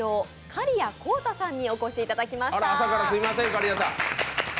刈屋幸太さんにお越しいただきました。